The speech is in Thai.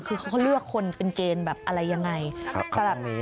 คือเขาก็เลือกคนเป็นเกณฑ์แบบอะไรยังไง